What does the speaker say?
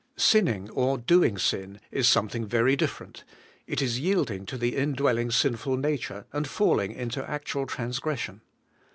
Sinning or doing sin is something very different: it is yielding to indwelling sinful nature, and falling into actual transgression.